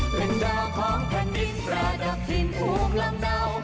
เป็นดาวของแผ่นดินระดับทีมภูมิลำเนา